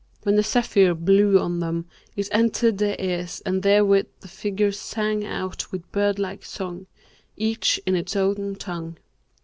When the zephyr blew on them, it entered their ears and therewith the figures sang out with birdlike song, each in its own tongue.